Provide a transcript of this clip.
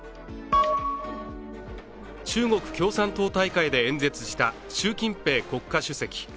中国共産党大会で演説した習近平国家主席。